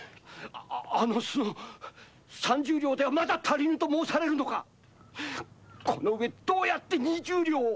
３０両では足りぬと申されるのかこの上どうやって２０両を。